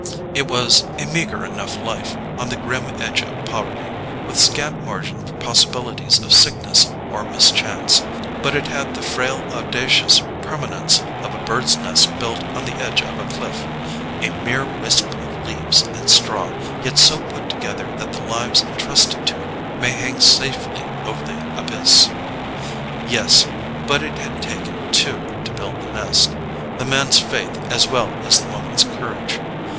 It was a meagre enough life, on the grim edge of poverty, with scant margin for possibilities of sickness or mischance, but it had the frail audacious permanence of a bird's nest built on the edge of a cliff—a mere wisp of leaves and straw, yet so put together that the lives entrusted to it may hang safely over the abyss. Yes—but it had taken two to build the nest; the man's faith as well as the woman's courage.